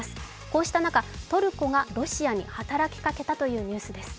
こうした中、トルコがロシアに働きかけたというニュースです。